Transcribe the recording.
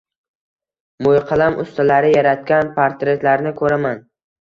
Mo‘yqalam ustalari yaratgan portretlarni ko‘raman